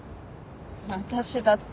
私だって。